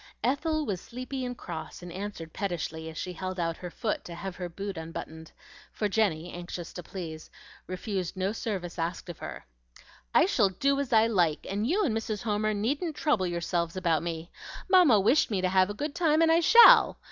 Ethel was sleepy and cross, and answered pettishly, as she held out her foot to have her boot unbuttoned, for Jenny, anxious to please, refused no service asked of her, "I shall do as I like, and you and Mrs. Homer needn't trouble yourselves about me. Mamma wished me to have a good time, and I shall!